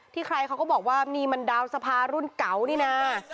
ใครเขาก็บอกว่านี่มันดาวสภารุ่นเก่านี่นะ